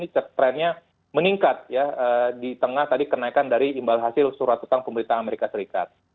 trendnya meningkat ya di tengah tadi kenaikan dari imbal hasil surat utang pemerintah amerika serikat